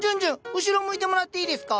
後ろ向いてもらっていいですか？